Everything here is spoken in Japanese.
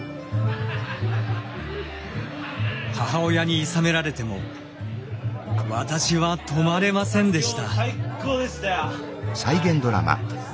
母親に諌められても私は止まれませんでした。